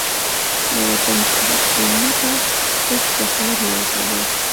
د وطن په حق کی نه کا، تش د خیر یوه خبره